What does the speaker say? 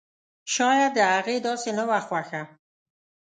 شايد د هغې داسې نه وه خوښه!